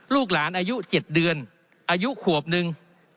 ลูกหลานอายุ๗เดือนอายุขวบนึง